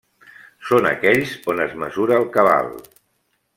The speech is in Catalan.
Són aquells on es mesura el cabal.